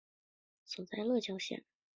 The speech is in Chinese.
治所在乐郊县。